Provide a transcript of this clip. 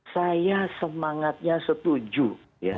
saya semangatnya setuju ya